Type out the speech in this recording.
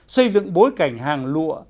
xây dựng bối cảnh hàng lụa